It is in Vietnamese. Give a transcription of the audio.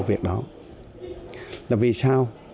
việc đó là vì sao